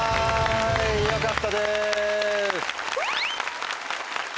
よかったです！